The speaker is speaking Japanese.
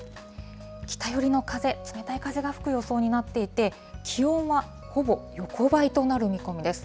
北寄りの風、冷たい風が吹く予想になっていて、気温はほぼ横ばいとなる見込みです。